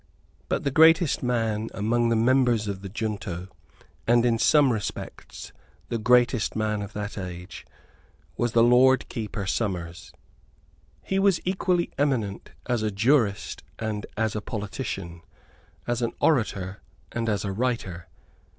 But the greatest man among the members of the junto, and, in some respects, the greatest man of that age, was the Lord Keeper Somers. He was equally eminent as a jurist and as a politician, as an orator and as a writer.